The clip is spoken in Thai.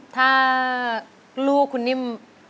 ถ้าลูกคุณนิ่ม